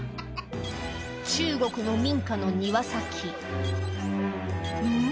中国の民家の庭先ん？